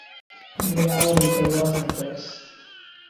In reality there was no curse.